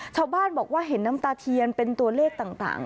ชาวบ้านบอกว่าเห็นน้ำตาเทียนเป็นตัวเลขต่าง